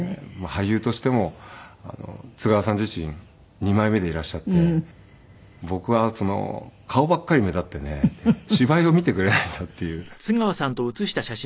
俳優としても津川さん自身二枚目でいらっしゃって「僕は顔ばっかり目立ってね芝居を見てくれないんだ」っていうそういう苦労話を聞いて。